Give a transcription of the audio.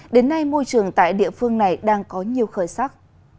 đến nay môi trường tại địa phương này đang có nhiều khởi sắc